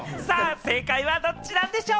正解はどうなんでしょう？